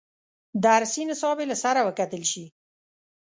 درسي نصاب یې له سره وکتل شي.